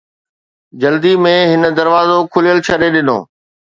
جلدي ۾، هن دروازو کليل ڇڏي ڏنو